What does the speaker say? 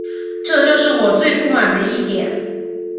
这就是我最不满的一点